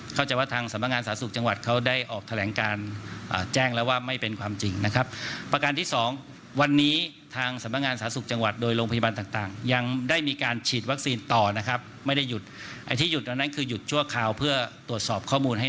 เข้าใจว่าทางสมรรยางศาสตร์สุขจังหวัดเค้าได้ออกแท่งการแจ้งแล้วว่าไม่เป็นความจริงนะครับ